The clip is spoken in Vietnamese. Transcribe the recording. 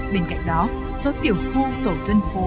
bên cạnh đó số tiểu khu tổ dân phố